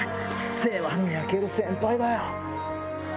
世話の焼ける先輩だよ。